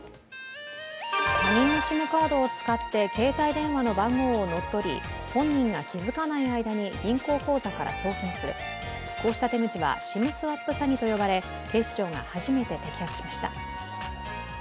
他人のＳＩＭカードを使って携帯電話の番号を乗っ取り本人が気づかない間に銀行口座から送金する、こうした手口はＳＩＭスワップ詐欺と呼ばれ警視庁が初めて摘発しました。